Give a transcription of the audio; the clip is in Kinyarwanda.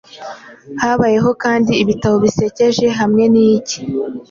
Habayeho kandi ibitabo biseke hamwe niki